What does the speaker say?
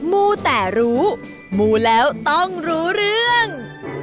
มูแต่รู้มูแล้วต้องรู้เรื่อง